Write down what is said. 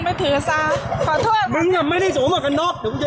ประเภนไหนก็ได้